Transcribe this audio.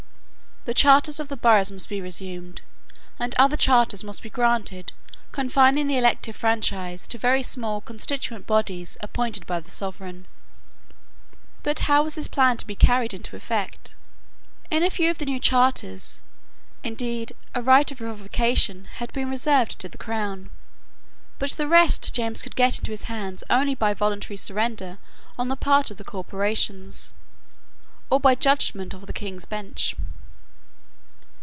The charters of the boroughs must be resumed; and other charters must be granted confining the elective franchise to very small constituent bodies appointed by the sovereign. But how was this plan to be carried into effect? In a few of the new charters, indeed, a right of revocation had been reserved to the crown: but the rest James could get into his hands only by voluntary surrender on the part of corporations, or by judgment of the King's Bench.